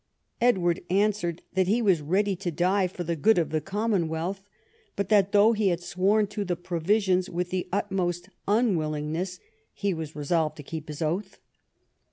Edward answered that he was ready to die for the good of the commonwealth, but that though he had sworn to the Provisions with the utmost unwillingness, he was resolved to keep his oath.